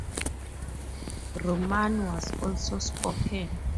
Romani was also spoken.